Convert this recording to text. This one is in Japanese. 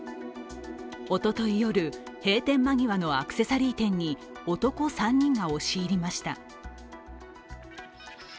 おととい夜、閉店間際のアクセサリー店に男３人が押し入りました。